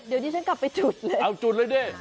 เดี๋ยวดิฉันกลับไปจุดเลยเอาจุดเลยดิ